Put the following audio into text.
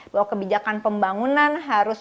bahwa kebijakan pembangunan harus